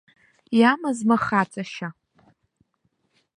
Иамазма хаҵашьа!